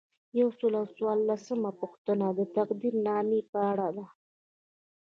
یو سل او څوارلسمه پوښتنه د تقدیرنامې په اړه ده.